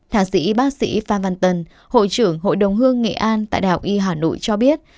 thạc sĩ bác sĩ phan văn tân hội trưởng hội đồng hương nghệ an tại đh y hà nội cho biết